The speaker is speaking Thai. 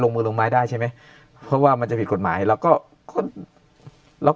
ลงมือลงไม้ได้ใช่ไหมเพราะว่ามันจะผิดกฎหมายเราก็ก็เราก็